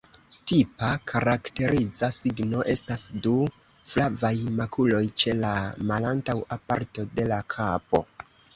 Tipa, karakteriza signo estas du flavaj makuloj ĉe la malantaŭa parto de la kapo.